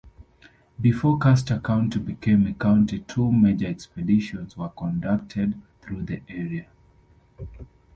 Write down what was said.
Before Custer County became a county two major expeditions were conducted through the area.